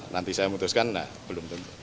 nanti saya memutuskan nah belum tentu